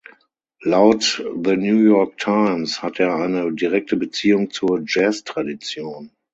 Laut The New York Times hat er eine direkte Beziehung zur Jazztradition.